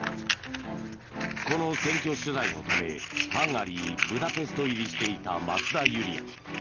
この選挙取材のためハンガリーブダペスト入りしていた増田ユリヤ。